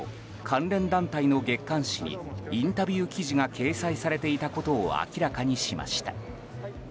関連団体の月刊誌にインタビュー記事が掲載されていたことを明らかにしました。